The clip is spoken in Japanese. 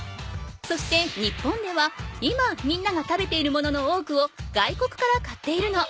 そして日本では今みんなが食べているものの多くを外国から買っているの。